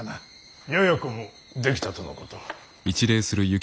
ややこもできたとのこと。